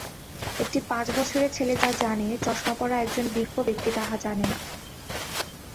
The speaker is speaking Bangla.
একটি পাঁচ বছরের ছেলে যা জানে, চশমাপরা একজন বিজ্ঞ ব্যক্তি তাহা জানে না!